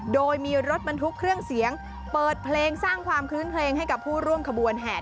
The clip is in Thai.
โดยมีรถบรรทุกเครื่องเสียงเปิดเพลงสร้างความคลื้นเคลงให้กับผู้ร่วมขบวนแห่